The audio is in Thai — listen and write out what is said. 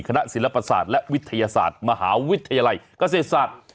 ศิลปศาสตร์และวิทยาศาสตร์มหาวิทยาลัยเกษตรศาสตร์